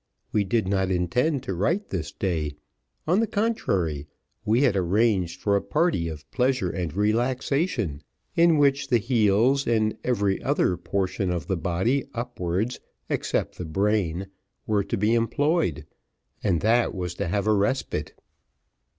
We did not intend to write this day. On the contrary, we had arranged for a party of pleasure and relaxation, in which the heels, and every other portion of the body upwards, except the brain, were to be employed, and that was to have a respite.